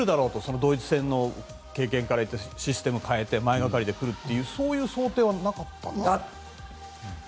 ドイツ戦の経験からシステムを変えて前がかりで来るという想定はなかったんですか？